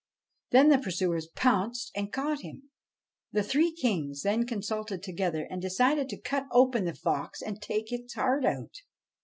Then the pursuers pounced and caught him. The three kings then consulted together and decided to cut open the fox and take its heart out.